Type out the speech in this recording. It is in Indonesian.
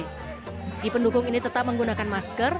meski pendukung ini tetap menggunakan masker